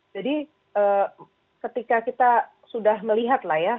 jadi ketika kita sudah melihatlah